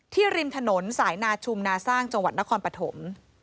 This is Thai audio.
ริมถนนสายนาชุมนาสร้างจังหวัดนครปฐม